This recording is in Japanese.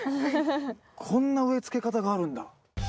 こんな植えつけ方があるんだ。